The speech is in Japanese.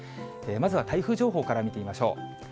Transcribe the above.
まずは台風情報から見てみましょう。